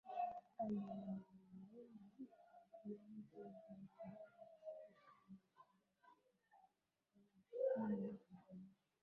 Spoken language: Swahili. Hali ya uhuru wa vyombo vya habari Afrika Masharikihususani Tanzania